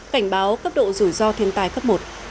cảnh báo cấp độ rủi ro thiên tai cấp một